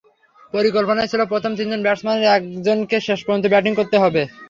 পরিকল্পনাই ছিল প্রথম তিনজন ব্যাটসম্যানের একজনকে শেষ পর্যন্ত ব্যাটিং করতে হবে।